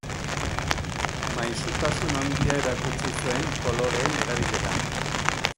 Maisutasun handia erakutsi zuen koloreen erabileran.